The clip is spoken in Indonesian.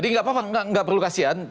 ini nggak apa apa nggak perlu kasihan